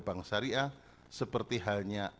bank syariah seperti halnya